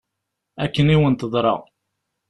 Akken i wen-teḍra.